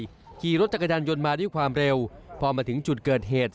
หลังขี่รถจักรดรมาด้วยความเร็วพอมาถึงจุดเกิดเหตุ